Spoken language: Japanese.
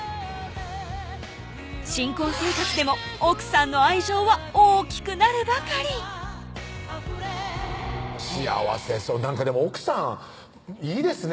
新婚生活でも奥さんの愛情は大きくなるばかり幸せそうでも奥さんいいですね